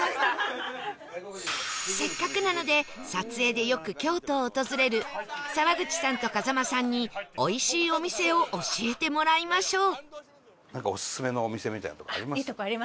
せっかくなので撮影でよく京都を訪れる沢口さんと風間さんにおいしいお店を教えてもらいましょう